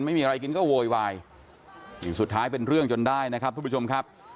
ไม่มีอะไรกินก็โวยวายนี่สุดท้ายเป็นเรื่องจนได้นะครับทุกผู้ชมครับ